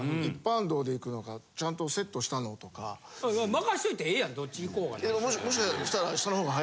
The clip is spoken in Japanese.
任しといてええやんどっち行こうが。